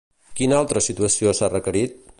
Quina altra situació s'ha requerit?